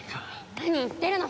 何言ってるの。